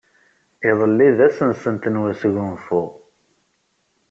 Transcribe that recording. Iḍelli d ass-nsent n wesgunfu.